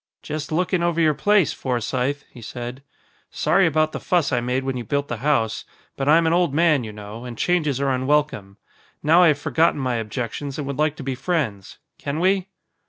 "Just looking over your place, Forsythe," he said. "Sorry about the fuss I made when you built the house. But I'm an old man, you know, and changes are unwelcome. Now I have forgotten my objections and would like to be friends. Can we?"